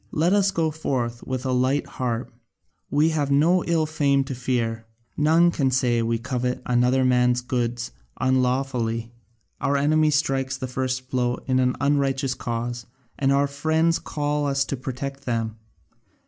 Let us go forth with a light heart; we have no ill fame to fear: none can say we covet another man's goods unlawfully. Our enemy strikes the first blow in an unrighteous cause, and our friends call us to protect them.